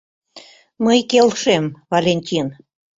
Мый келшем, Валентин.